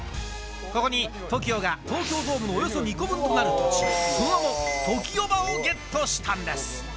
ここに、ＴＯＫＩＯが東京ドームのおよそ２個分となる、その名も、ＴＯＫＩＯーＢＡをゲットしたんです。